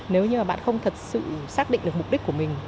nếu như bạn không thật sự xác định được mục đích của mình